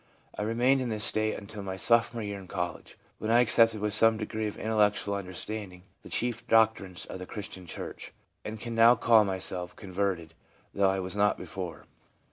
I remained in this state until my S ophomore year in college, w r hen I accepted with some degree of intellectual under standing the chief doctrines of the Christian church, and can now call myself "converted/' though I was not before.'